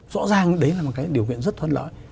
rõ ràng đấy là một cái điều kiện rất thuận lợi